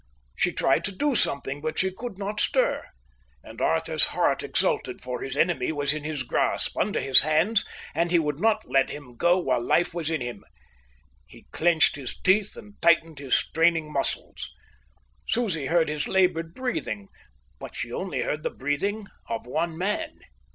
She tried to do something, but she could not stir. And Arthur's heart exulted, for his enemy was in his grasp, under his hands, and he would not let him go while life was in him. He clenched his teeth and tightened his straining muscles. Susie heard his laboured breathing, but she only heard the breathing of one man.